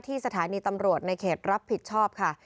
สถานีตำรวจในเขตรับผิดชอบค่ะ